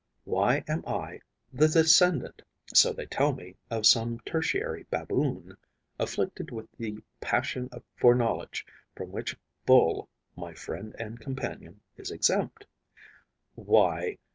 Why am I the descendant, so they tell me, of some tertiary Baboon afflicted with the passion for knowledge from which Bull, my friend and companion, is exempt? Why...